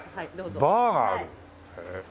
バーがある？